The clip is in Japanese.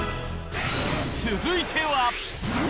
続いては。